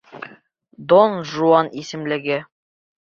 Дон Жуан исемлеге.